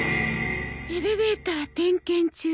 「エレベーター点検中」。